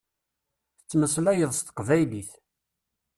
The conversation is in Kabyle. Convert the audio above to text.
Tettmeslayeḍ s teqbaylit.